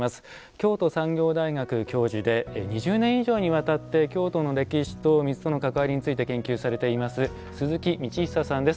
京都産業大学教授で２０年以上にわたって京都の歴史と水との関わりについて研究されています鈴木康久さんです。